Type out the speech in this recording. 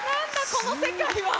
この世界は。